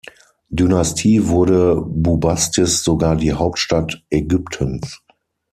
Dynastie wurde Bubastis sogar die Hauptstadt Ägyptens.